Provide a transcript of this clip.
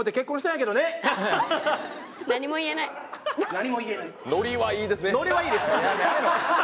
何も言えない